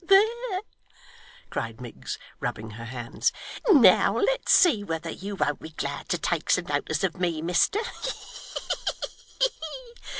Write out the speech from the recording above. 'There!' cried Miggs, rubbing her hands, 'now let's see whether you won't be glad to take some notice of me, mister.